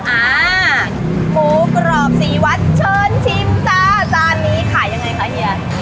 อ่าหมูกรอบสีวัดเชิญชิมจ้าจานนี้ขายยังไงคะเฮีย